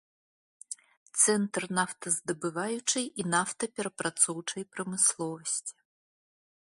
Цэнтр нафтаздабываючай і нафтаперапрацоўчай прамысловасці.